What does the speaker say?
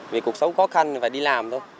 vì cuộc sống khó khăn phải đi làm thôi